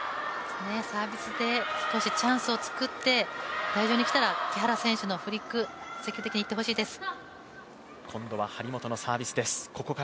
サービスで少しチャンスを作って台上に来たら木原選手のフリック積極的にいってほしいです。